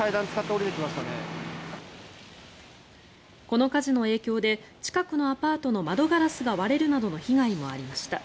この火事の影響で近くのアパートの窓ガラスが割れるなどの被害もありました。